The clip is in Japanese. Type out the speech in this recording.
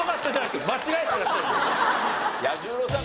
彌十郎さん